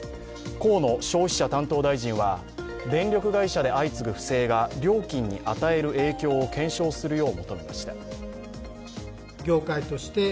河野消費者担当大臣は電力会社で相次ぐ不正が料金に与える影響を検証するよう求めました。